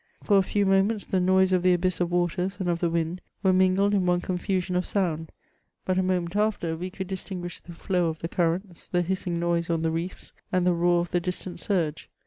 For a few moments, the noise of the abyss of waters and of the wind were mingled in one confusion of sound ; bat a moment afiter, we could distinguish the flow of the currents, the hisaii]^ noise on the reefs, and the roar of the distant surge.